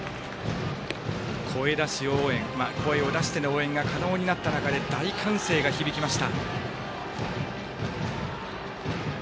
声出し応援声を出しての応援が可能になった中で大歓声が響きました。